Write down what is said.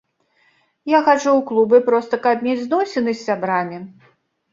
Я хаджу ў клубы проста каб мець зносіны з сябрамі.